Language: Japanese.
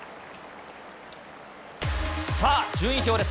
さあ、順位表です。